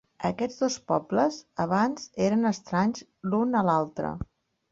Aquests dos pobles abans eren estranys l'un a l'altre.